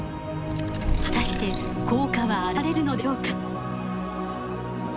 果たして効果は現れるのでしょうか？